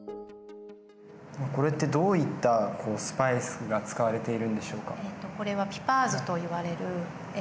これってどういったスパイスが使われているんでしょうか。